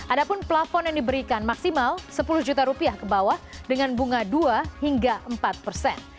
ada pun plafon yang diberikan maksimal sepuluh juta rupiah ke bawah dengan bunga dua hingga empat persen